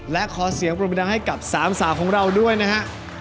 และขอเสียงโปรบดังให้กับสามสาวของเราด้วยนะฮะ